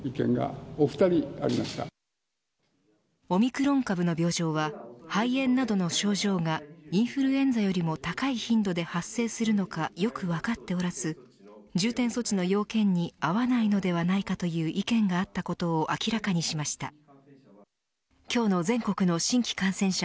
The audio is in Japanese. オミクロン株の病状は肺炎などの症状がインフルエンザよりも高い頻度で発生するのかよく分かっておらず重点措置の要件に合わないのではないかという意見があったことを明らかにしました。